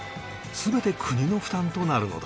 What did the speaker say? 全て国の負担となるのだ